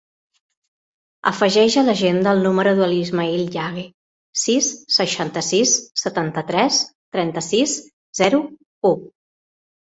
Afegeix a l'agenda el número de l'Ismaïl Yague: sis, seixanta-sis, setanta-tres, trenta-sis, zero, u.